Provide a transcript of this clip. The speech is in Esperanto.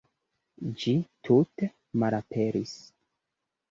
Ĝi tute malaperis.